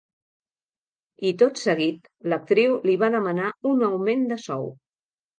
I tot seguit, l'actriu li va demanar un augment de sou.